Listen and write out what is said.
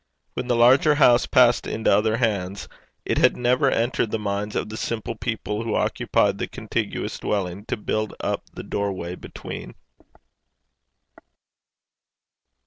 When the larger house passed into other hands, it had never entered the minds of the simple people who occupied the contiguous dwellings, to build up the doorway between.